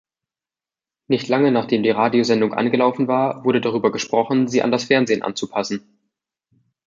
Nicht lange nachdem die Radiosendung angelaufen war, wurde darüber gesprochen, sie an das Fernsehen anzupassen.